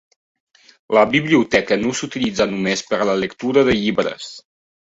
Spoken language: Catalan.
La Biblioteca no s'utilitza només per a la lectura de llibres.